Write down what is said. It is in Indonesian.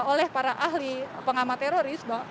oleh para ahli pengamateroris